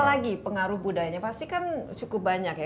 apalagi pengaruh budaya nya pasti kan cukup banyak ya